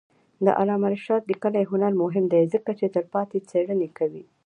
د علامه رشاد لیکنی هنر مهم دی ځکه چې تلپاتې څېړنې کوي.